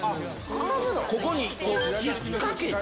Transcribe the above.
ここにこう、引っ掛けて。